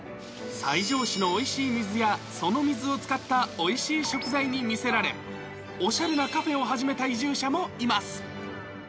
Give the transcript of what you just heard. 西条市のおいしい水や、その水を使ったおいしい食材に魅せられ、おしゃれなカフェを始めた移住者もいます。